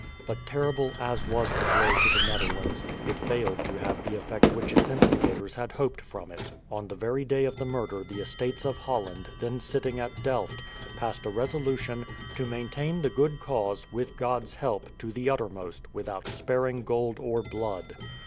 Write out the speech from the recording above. But terrible as was the blow to the Netherlands, it failed to have the effect which its instigators had hoped from it. On the very day of the murder the Estates of Holland, then sitting at Delft, passed a resolution "to maintain the good cause, with God's help, to the uttermost, without sparing gold or blood."